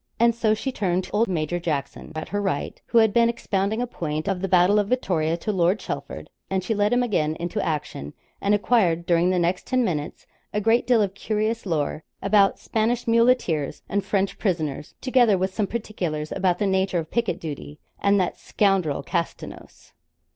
And so she turned to old Major Jackson at her right, who had been expounding a point of the battle of Vittoria to Lord Chelford; and she led him again into action, and acquired during the next ten minutes a great deal of curious lore about Spanish muleteers and French prisoners, together with some particulars about the nature of picket duty, and 'that scoundrel, Castanos.'